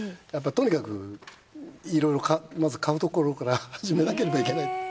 とにかくいろいろまず買うところから始めなければいけない。